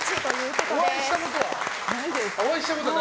お会いしたことは？